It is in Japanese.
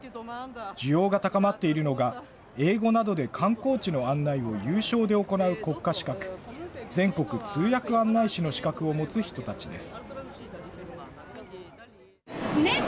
需要が高まっているのが、英語などで観光地の案内を有償で行う国家資格、全国通訳案内士の資格を持つ人たちです。